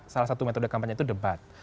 salah satu metode kampanye itu debat